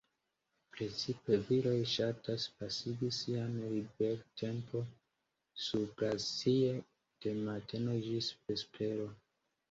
Precipe viroj ŝatas pasigi sian libertempon surglacie, de mateno ĝis vespero.